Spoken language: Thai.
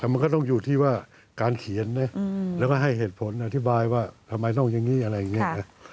แต่มันก็ต้องอยู่ที่ว่าการเขียนนะแล้วก็ให้เหตุผลอธิบายว่าทำไมต้องอย่างนี้อะไรอย่างนี้นะ